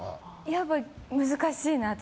やっぱり難しいなって。